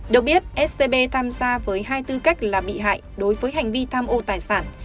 được biết scb tham gia với hai tư cách là bị hại đối với hành vi tham ô tài sản